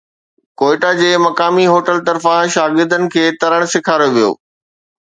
ڪوئيٽا جي مقامي هوٽل طرفان شاگردن کي ترڻ سيکاريو ويو